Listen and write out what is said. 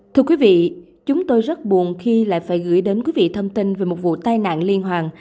thưa quý vị chúng tôi rất buồn khi lại phải gửi đến quý vị thông tin về một vụ tai nạn liên hoàn